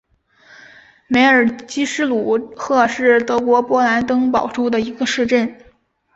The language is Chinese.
梅尔基施卢赫是德国勃兰登堡州的一个市镇。